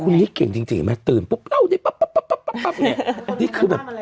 คุณนี้เก่งจริงจริงไหมตื่นปุ๊บเล่าเลยปั๊บปั๊บปั๊บปั๊บปั๊บเนี่ยนี่คือแบบ